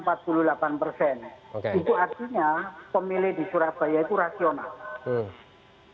itu artinya pemilih di surabaya itu rasional